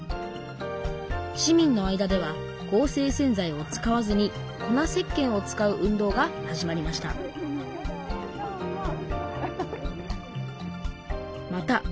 市民の間では合成洗剤を使わずに粉せっけんを使う運動が始まりました